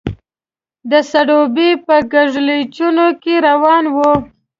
د سروبي په کږلېچونو کې روان وو.